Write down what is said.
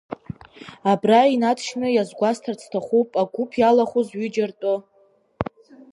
Абра инаҵшьны иазгәасҭарц сҭахуп агәыԥ иалахәыз ҩыџьа ртәы.